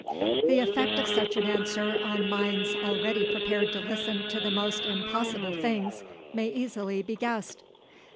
The effect of such an answer on minds already prepared to listen to the most impossible things, may easily be guessed.